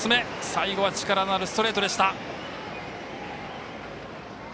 最後は力のあるストレートでした。